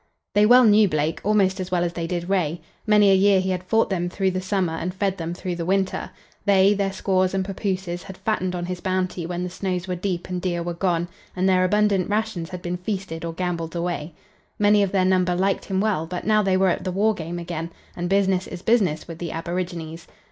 They well knew Blake, almost as well as they did Ray. Many a year he had fought them through the summer and fed them through the winter. They, their squaws and pappooses, had fattened on his bounty when the snows were deep and deer were gone, and their abundant rations had been feasted or gambled away. Many of their number liked him well, but now they were at the war game again, and, business is business with the aborigines.